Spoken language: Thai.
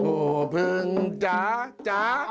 โอ้เพิ่งจ๊ะจ๊ะ